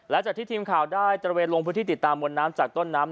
และจากที่ทีมข่าวได้ตระเวนลงพื้นที่ติดตามมวลน้ำจากต้นน้ำ